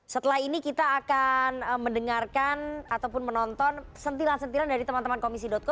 setelah ini kita akan mendengarkan ataupun menonton sentilan sentilan dari teman teman komisi co